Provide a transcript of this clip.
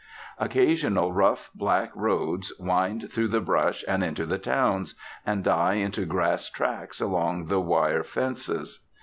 Occasional rough black roads wind through the brush and into the towns, and die into grass tracks along the wire fences.